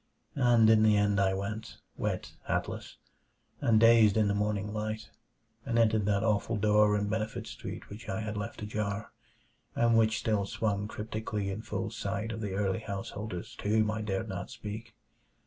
And in the end I went, wet, hatless, and dazed in the morning light, and entered that awful door in Benefit Street which I had left ajar, and which still swung cryptically in full sight of the early householders to whom I dared not speak.